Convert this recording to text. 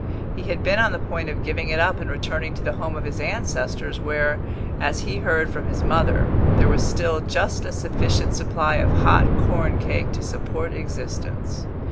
He had been on the point of giving it up and returning to the home of his ancestors, where, as he heard from his mother, there was still just a sufficient supply of hot corn cake to support existence.